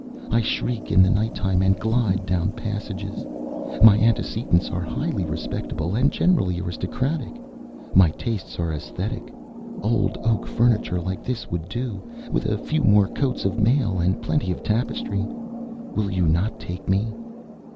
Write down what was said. I shriek in the night time and glide down passages. My antecedents are highly respectable and generally aristocratic. My tastes are æsthetic. Old oak furniture like this would do, with a few more coats of mail and plenty of tapestry. Will you not take me?"